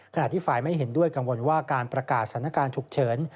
ที่ฝ่ายไม่เห็นด้วยกังวลว่าการประกาศสถานการณ์ฉุกเฉิน